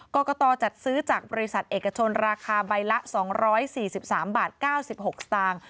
กรกตจัดซื้อจากบริษัทเอกชนราคาใบละ๒๔๓บาท๙๖สตางค์